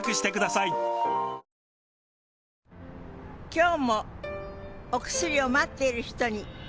今日もお薬を待っている人に。